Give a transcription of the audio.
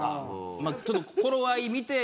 ちょっと頃合い見て。